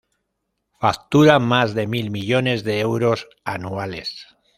Factura más de mil millones de euros anuales.